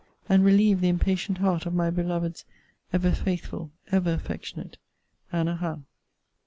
and relieve the impatient heart of my beloved's Ever faithful, ever affectionate, ANNA HOWE.